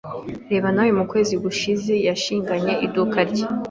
Reba nawe mu kwezi gushize yashinganye iduka rye